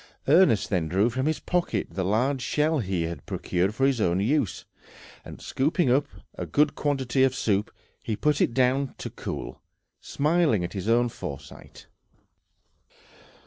Ernest then drew from his pocket the large shell he had procured for his own use, and scooping up a good quantity of soup he put it down to cool, smiling at his own foresight.